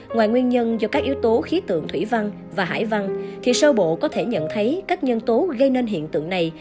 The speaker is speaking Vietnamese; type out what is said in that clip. ngoài nguyên nhân do các yếu tố khí tượng thủy văn và hải văn thì sơ bộ có thể nhận thấy các nhân tố gây nên hiện tượng này